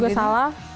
saya juga salah